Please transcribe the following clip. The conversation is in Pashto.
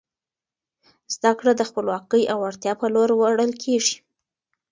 زده کړه د خپلواکۍ او وړتیا په لور وړل کیږي.